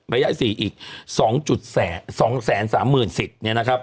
ระยะสี่อีก๒๓แสนสามหมื่นสิทธิ์เนี่ยนะครับ